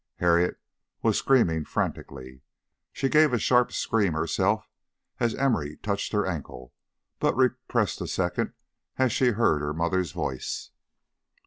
Harriet was screaming frantically. She gave a sharp scream herself as Emory touched her ankle, but repressed a second as she heard her mother's voice.